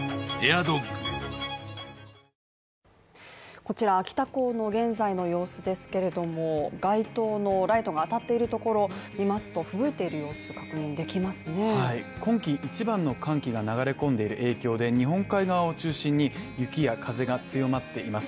こちら秋田港の現在の様子ですけれども、街灯のライトが当たっているところを見ますとふぶいている様子が確認できますね今季一番の寒気が流れ込んでいる影響で日本海側を中心に雪や風が強まっています。